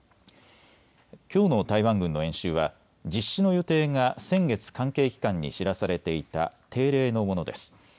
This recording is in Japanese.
きょうの台湾軍の演習は実施の予定が先月、関係機関に知らされていた定例のものです。